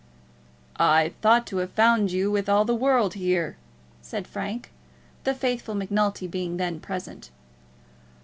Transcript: "I thought to have found you with all the world here," said Frank, the faithful Macnulty being then present.